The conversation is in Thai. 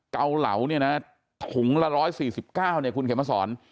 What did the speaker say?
เกาเหลาเนี่ยนะถุงละ๑๔๙เนี่ยคุณเขียนมาสอน